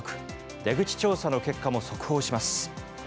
出口調査の結果も速報します。